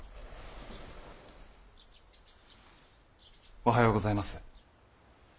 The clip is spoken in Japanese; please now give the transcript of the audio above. おはようございます。